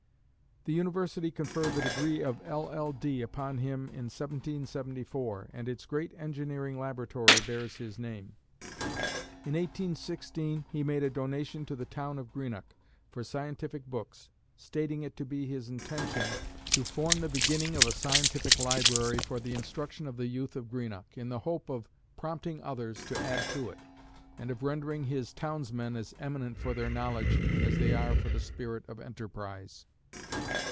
The University conferred the degree of LL.D. upon him in 1774, and its great engineering laboratory bears his name. In 1816, he made a donation to the town of Greenock for scientific books, stating it to be his intention to form the beginning of a scientific library for the instruction of the youth of Greenock, in the hope of prompting others to add to it, and of rendering his townsmen as eminent for their knowledge as they are for the spirit of enterprise.